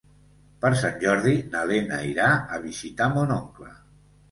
Per Sant Jordi na Lena irà a visitar mon oncle.